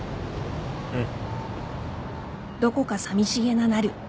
うん。